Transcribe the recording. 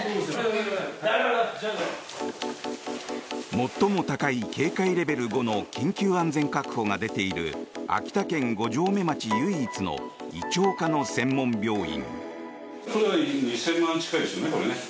最も高い警戒レベル５の緊急安全確保が出ている秋田県五城目町唯一の胃腸科の専門病院。